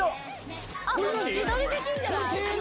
自撮りできんじゃない？